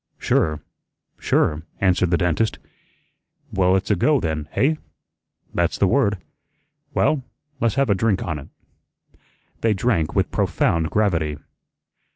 "Sure, sure," answered the dentist. "Well, it's a go then, hey?" "That's the word." "Well, le's have a drink on it." They drank with profound gravity.